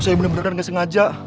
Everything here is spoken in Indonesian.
saya bener bener gak sengaja